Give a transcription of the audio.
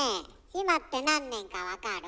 今って何年か分かる？